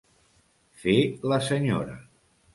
Fer la senyora.